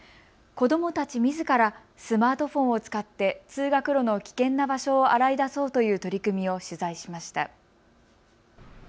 子どもたちみずからスマートフォンを使って通学路の危険な場所を洗い出そうという取り組みを取材しました。